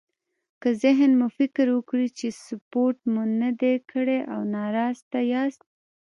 که ذهن مو فکر وکړي چې سپورت مو نه دی کړی او ناراسته ياست.